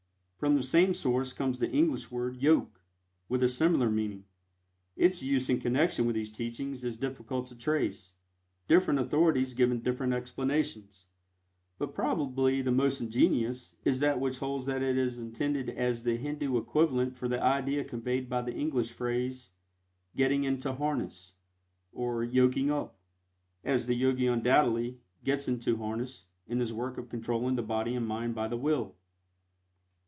From the same source comes the English word "yoke," with a similar meaning. Its use in connection with these teachings is difficult to trace, different authorities giving different explanations, but probably the most ingenious is that which holds that it is intended as the Hindu equivalent for the idea conveyed by the English phrase, "getting into harness," or "yoking up," as the Yogi undoubtedly "gets into harness" in his work of controlling the body and mind by the Will.